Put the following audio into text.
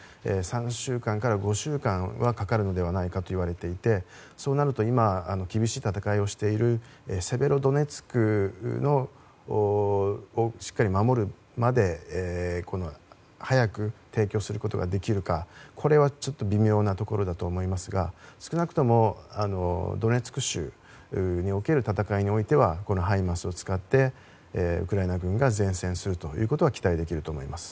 ３週間から５週間はかかるのではないかといわれていてそうなると今厳しい戦いをしているセベロドネツクをしっかり守るまで早く提供することができるかこれはちょっと微妙なところだと思いますが少なくともドネツク州における戦いにおいてはこのハイマースを使ってウクライナ軍が善戦するということは期待できると思います。